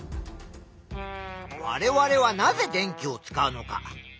われわれはなぜ電気を使うのか？